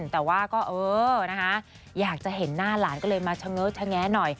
แต่ว่าก็เออนะคะอยากจะเห็นหน้าหลานก็เลยมาเฉง้อชะแง้หน่อย